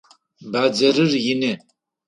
Бадзэрыр ины.